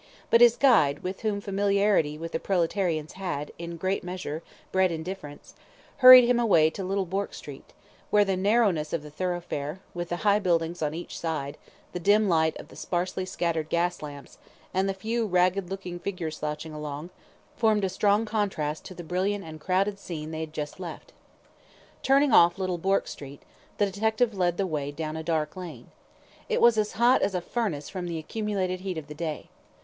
But his guide, with whom familiarity with the proletarians had, in a great measure, bred indifference, hurried him away to Little Bourke Street, where the narrowness of the thoroughfare, with the high buildings on each side, the dim light of the sparsely scattered gas lamps, and the few ragged looking figures slouching along, formed a strong contrast to the brilliant and crowded scene they had just left. Turning off Little Bourke Street, the detective led the way down a dark lane. It was as hot as a furnace from the accumulated heat of the day.